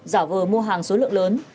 giả vờ mua hàng số lượng lớn